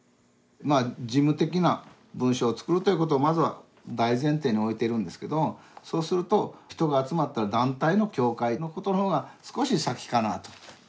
まあ事務的な文章を作るということをまずは大前提においてるんですけどそうすると人が集まっている団体の「協会」のことの方が少し先かなと。